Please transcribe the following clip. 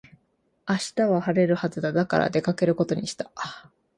明日は晴れるはずだ。だから出かけることにした。